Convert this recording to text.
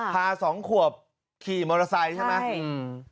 สองขวบขี่มอเตอร์ไซค์ใช่ไหม